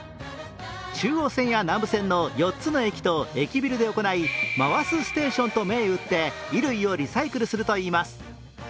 中央線や南部線の４つの駅と駅ビルで行いＭＡＷＡＳＵＳＴＡＴＩＯＮと銘打って衣類をリサイクルするといいます。